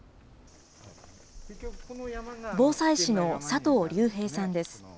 防災士の佐藤隆平さんです。